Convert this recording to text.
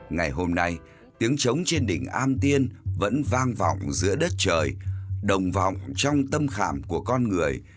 ngày hôm nay tiếng trống trên đỉnh am tiên vẫn vang vọng giữa đất trời đồng vọng trong tâm khảm của con người